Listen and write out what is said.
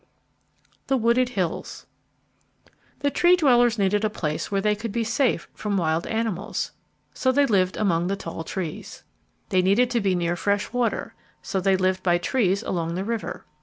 The Wooded Hills The Tree dwellers needed a place where they could be safe from the wild animals. So they lived among the tall trees. They needed to be near fresh water. So they lived by trees along the river.